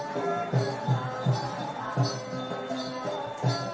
การทีลงเพลงสะดวกเพื่อความชุมภูมิของชาวไทย